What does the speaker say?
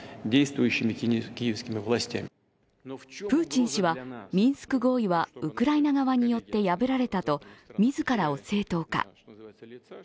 プーチン氏はミンスク合意はウクライナ側によって破られたと、自らを正当化。